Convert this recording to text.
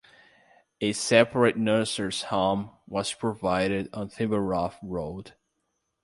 A separate nurses’ home was provided on Finborough Road.